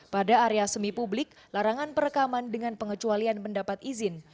pada area semi publik larangan perekaman dengan pengecualian mendapat izin